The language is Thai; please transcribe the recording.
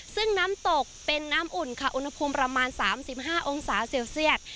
ซึ่งน้ำตกเป็นน้ำอุ่นค่ะอุณหภูมิประมาณ๓๕องศาเซลเซียต